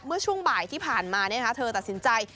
เมื่อช่วงบ่ายที่ผ่านมาเธอตัดสินใจ